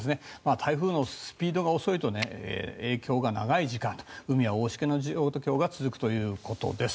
台風のスピードが遅いと影響が長い時間海は大しけの状況が続くということです。